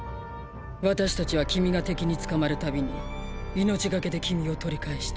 私たちは君が敵に捕まるたびに命懸けで君を取り返した。